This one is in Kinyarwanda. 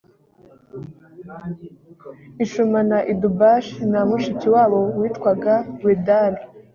ishuma na idubashi na mushiki wabo yitwaga wedari